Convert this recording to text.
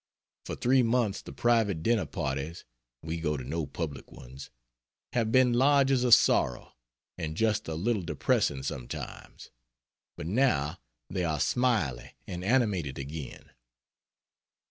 For three months the private dinner parties (we go to no public ones) have been Lodges of Sorrow, and just a little depressing sometimes; but now they are smiley and animated again.